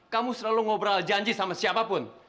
kamu selalu ngobrol janji sama siapapun